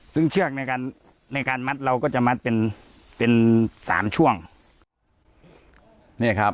ซึ่งเชือกในการมัดเราก็จะมัดเป็น๓ช่วง